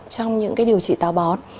trong những cái điều trị táo bón